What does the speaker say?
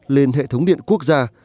lên hệ thống điện quốc gia